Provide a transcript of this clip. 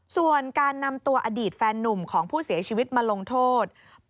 ส่วนการนำตัวอดีตแฟนนุ่มของผู้เสียชีวิตมาลงโทษ